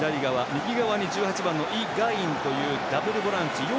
右側に１８番のイ・ガンインというダブルボランチ。